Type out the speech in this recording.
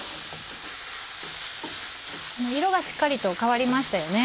色がしっかりと変わりましたよね。